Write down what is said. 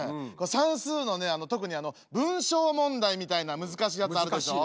算数の特にあの文章問題みたいな難しいやつあるでしょ？